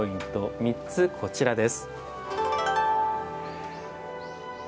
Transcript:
３つ、こちらです。